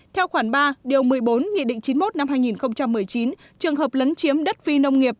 theo khoản ba điều một mươi bốn nghị định chín mươi một năm hai nghìn một mươi chín trường hợp lấn chiếm đất phi nông nghiệp